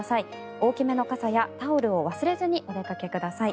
大きめの傘やタオルを忘れずにお出かけください。